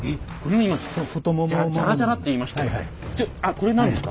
これ何ですか？